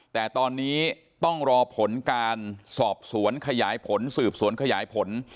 แต่ตอนนี้ต้องรอผลการสอบสวนขยายผลสืบสวนขยายผล